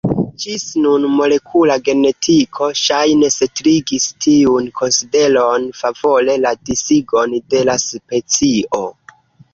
Ĝis nun molekula genetiko ŝajne setligis tiun konsideron favore la disigon de la specio.